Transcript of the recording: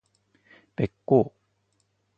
べっ甲